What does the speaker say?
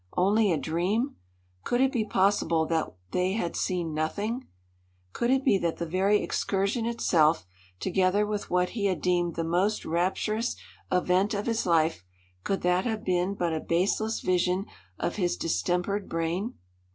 Only a dream? Could it be possible that they had seen nothing? Could it be that the very excursion itself, together with what he had deemed the most rapturous event of his life could that have been but a baseless vision of his distempered brain?